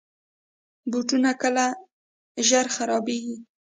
بوټونه کله زر خرابیږي.